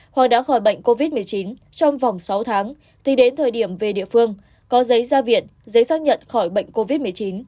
họ đã khỏi bệnh covid một mươi chín trong vòng sáu tháng thì đến thời điểm về địa phương có giấy ra viện giấy xác nhận khỏi bệnh covid một mươi chín